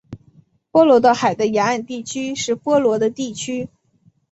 波罗的海的沿岸地区是波罗的地区。